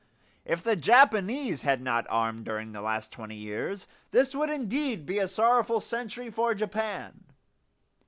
If the Japanese had not armed during the last twenty years, this would indeed be a sorrowful century for Japan.